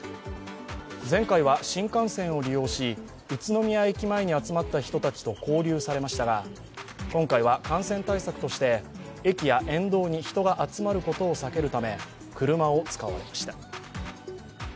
前回は新幹線を利用し宇都宮駅前に集まった人たちと交流されましたが今回は感染対策として駅や沿道に人が集まることを避けるため、車を使われました。